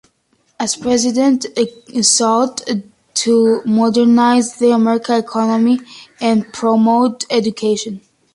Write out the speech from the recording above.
As president he sought to modernize the American economy and promote education.